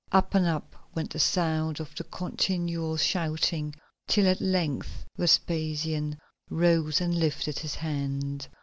Up and up went the sound of the continual shouting, till at length Vespasian rose and lifted his hand.